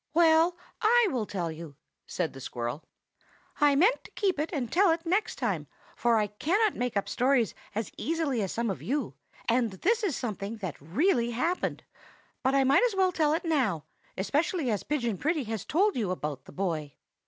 "Well, I will tell you," said the squirrel. "I meant to keep it and tell it next time, for I cannot make up stories as easily as some of you, and this is something that really happened; but I might just as well tell it now, especially as Pigeon Pretty has told you about the boy.